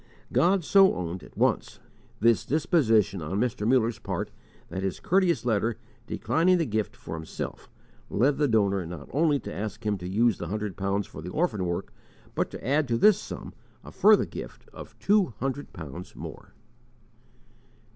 God so owned, at once, this disposition on Mr. Muller's part that his courteous letter, declining the gift for himself, led the donor not only to ask him to use the hundred pounds for the orphan work, but to add to this sum a further gift of two hundred pounds more.